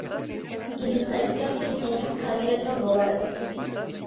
Ilustración y diseño: Javier Longobardo.